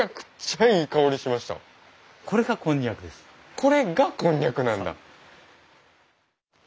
これがこんにゃくなんだ。